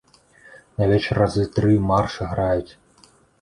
На вечар разы тры марша граюць.